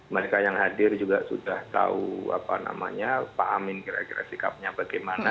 mereka yang hadir juga sudah tahu pak amin kira kira sikapnya bagaimana